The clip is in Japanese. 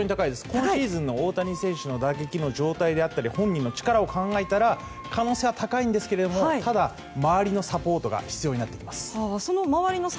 今シーズンの大谷選手の状態であったり本人の力を考えたら可能性は高いんですがただ、周りのサポートが必要です。